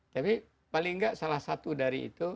tapi paling nggak salah satu dari itu